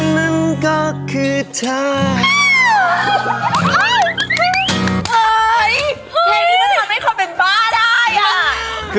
มันเป็นแบบน่ารัก